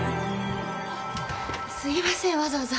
すいませんわざわざ。